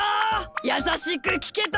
やさしくきけた？